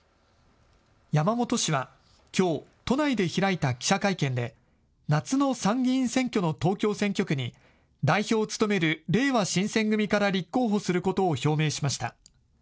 山本氏はきょう、都内で開いた記者会見で夏の参議院選挙の東京選挙区に代表を務めるれいわ新選組から立候補することを表明しました。